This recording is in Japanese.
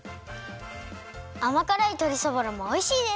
あまからいとりそぼろもおいしいです！